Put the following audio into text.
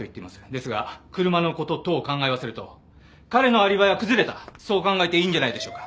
ですが車の事等を考え合わせると彼のアリバイは崩れたそう考えていいんじゃないでしょうか。